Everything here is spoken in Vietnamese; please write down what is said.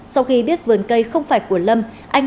sau khi biết vườn cây không phải của lâm